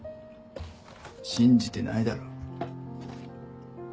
信じてないだろ。